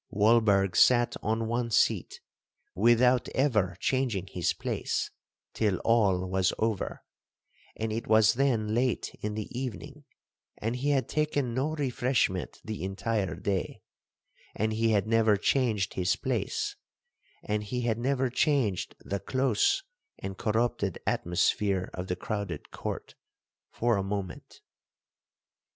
Walberg sat on one seat, without ever changing his place, till all was over; and it was then late in the evening, and he had taken no refreshment the entire day, and he had never changed his place, and he had never changed the close and corrupted atmosphere of the crowded court for a moment.